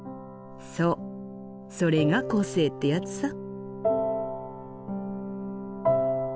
そうそれが個性ってやつさ。